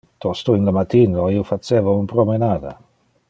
Tosto in le matino io faceva un promenada.